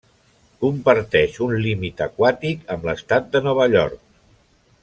Comparteix un límit aquàtic amb l’estat de Nova York.